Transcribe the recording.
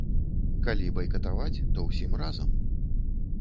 Калі байкатаваць, то ўсім разам.